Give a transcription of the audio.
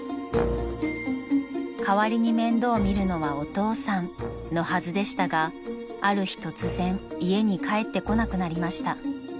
［代わりに面倒を見るのはお父さんのはずでしたがある日突然家に帰ってこなくなりました］